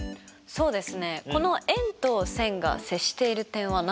そうです。